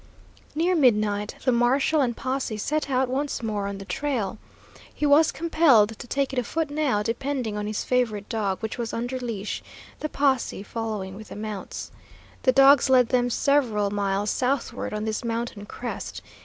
Near midnight the marshal and posse set out once more on the trail. He was compelled to take it afoot now, depending on his favorite dog, which was under leash, the posse following with the mounts. The dogs led them several miles southward on this mountain crest.